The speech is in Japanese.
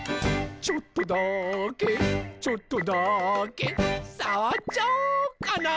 「ちょっとだけちょっとだけさわっちゃおうかな」